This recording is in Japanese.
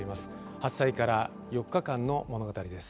発災から４日間の物語です。